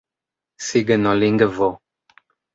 signolingvo